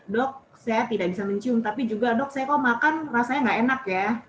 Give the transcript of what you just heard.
dok saya tidak bisa mencium tapi juga dok saya kok makan rasanya nggak enak ya